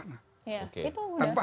itu sudah sesama jenis